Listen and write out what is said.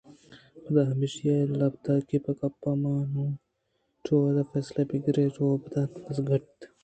پدا ہمیشی ءَ لِیپگے بہ کپیت ءُ مان؟ شادو ءِ فیصلہ یک گُرکے ءَ روباہ دزّ کُت